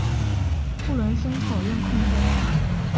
布伦森否认控罪。